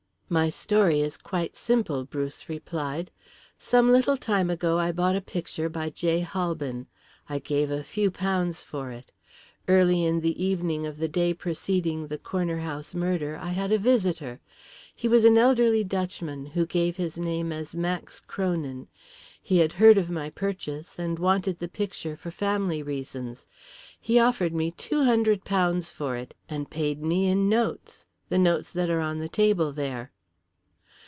"My story is quite simple," Bruce replied. "Some little time ago I bought a picture by J. Halbin. I gave a few pounds for it. Early in the evening of the day preceding the corner house murder I had a visitor. He was an elderly Dutchman, who gave his name as Max Kronin. He had heard of my purchase, and wanted the picture for family reasons. He offered me £200 for it, and paid me in notes the notes that are on the table there."